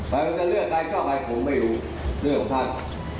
แต่ว่าจะเลือกใครก็เอาไปผมไม่รู้เลือกของท่าน